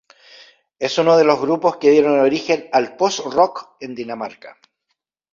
Es uno de los grupos que dieron origen al post-rock en Dinamarca.